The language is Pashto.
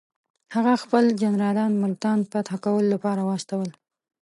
هغه خپل جنرالان ملتان فتح کولو لپاره واستول.